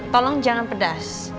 tolong jangan pedas